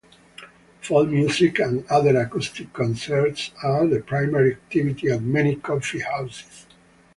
Folk music and other acoustic concerts are the primary activity at many coffee houses.